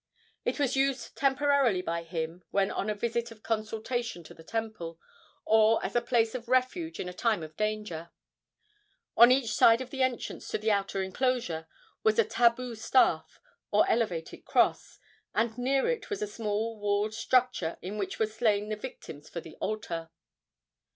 It was used temporarily by him when on a visit of consultation to the temple, or as a place of refuge in a time of danger. On each side of the entrance to the outer enclosure was a tabu staff, or elevated cross, and near it was a small walled structure in which were slain the victims for the altar.